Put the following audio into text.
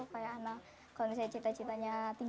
kalau misalnya cita citanya tinggi banget itu paling diincar banget